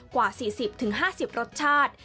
กว่า๔๐๕๐รสชาติ